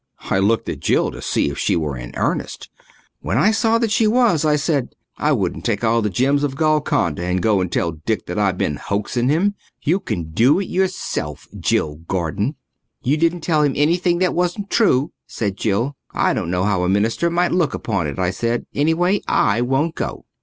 I looked at Jill to see if she were in earnest. When I saw that she was I said, "I wouldn't take all the gems of Golconda and go and tell Dick that I'd been hoaxing him. You can do it yourself, Jill Gordon." "You didn't tell him anything that wasn't true," said Jill. "I don't know how a minister might look upon it," I said. "Anyway, I won't go."